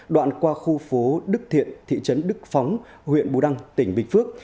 đoạn qua khu phố đức thiện thị trấn đức phóng huyện bù đăng tỉnh bình phước